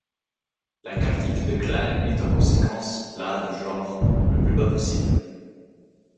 La quartique de Klein est en conséquence la de genre le plus bas possible.